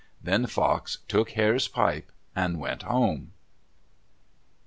Then Fox took Hare's pipe and went home.